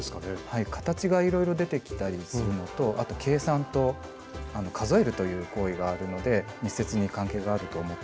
はい形がいろいろ出てきたりするのとあと計算と数えるという行為があるので密接に関係があると思ってます。